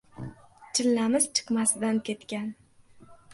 — Chillamiz chiqmasidan ketgan.